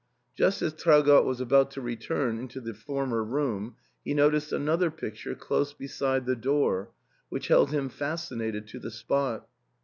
Just as Traugott was about to return into the former room, he noticed another picture close beside the door, which held him fascinated to the spot.